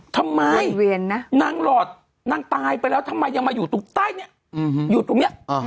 ทำไมนางหลอดนางตายไปแล้วทำไมยังมาอยู่ตรงใต้นี้อยู่ตรงนี้